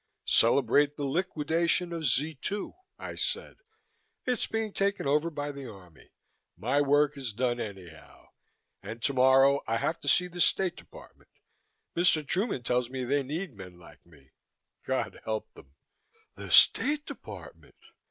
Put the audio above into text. "Celebrate the liquidation of Z 2," I said. "It's being taken over by the Army. My work is done anyhow. And tomorrow I have to see the State Department. Mr. Truman tells me they need men like me God help them!" "The State Department!"